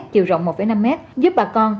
chiều rộng một năm m giúp bà con